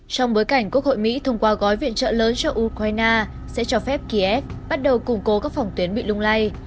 trong bối cảnh quốc hội mỹ thông qua gói viện trợ lớn cho ukraine sẽ cho phép kiev bắt đầu củng cố các phòng tuyến bị lung lay